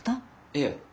いえ。